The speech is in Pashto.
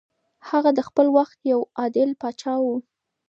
هغه د خپل وخت یو عادل پاچا و.